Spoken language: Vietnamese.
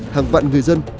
hàng vạn người dân